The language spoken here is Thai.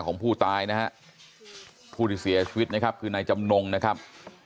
ของผู้ตายนะฮะผู้ที่เสียชีวิตนะครับคือนายจำนงนะครับ